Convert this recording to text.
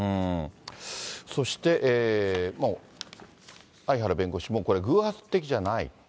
そして、相原弁護士もこれ、偶発的じゃない。